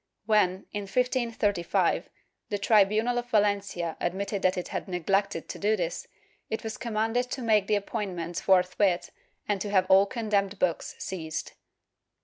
When, in 1535, the tribunal of Valen cia admitted that it had neglected to do this it was commanded to make the appointments forthwith and to have all condemned books seized.